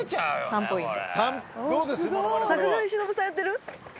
３ポイント！